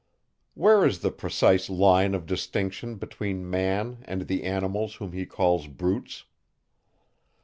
Where is the precise line of distinction between man and the animals whom he calls brutes?